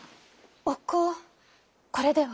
お香これでは？